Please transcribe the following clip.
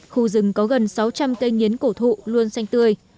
khu rừng có gần sáu trăm linh cây nghiến cổ thụ luôn xanh tươi